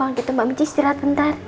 emang gitu mbak michi istirahat bentar